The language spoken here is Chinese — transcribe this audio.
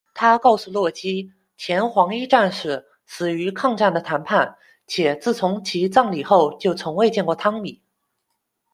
她告诉洛基，前黄衣战士死于抗战的谈判，且自从其葬礼后就从未见过汤米。